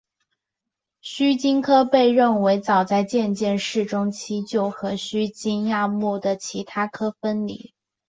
须鲸科被认为早在渐新世中期就和须鲸亚目的其他科分离。